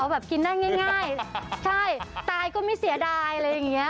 แบบกินได้ง่ายใช่ตายก็ไม่เสียดายอะไรอย่างนี้